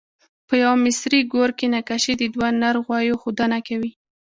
په یوه مصري ګور کې نقاشي د دوه نر غوایو ښودنه کوي.